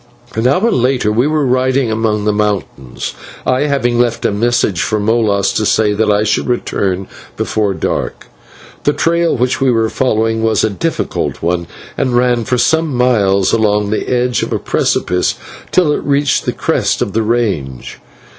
An hour later we were riding among the mountains, I having left a message for Molas to say that I should return before dark. The trail which we were following was a difficult one, and ran for some miles along the edge of a precipice till it reached the crest of the range.